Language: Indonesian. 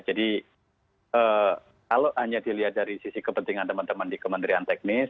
jadi kalau hanya dilihat dari sisi kepentingan teman teman di kementerian teknis